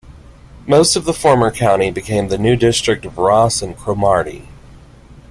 Most of the former county became the new district of Ross and Cromarty.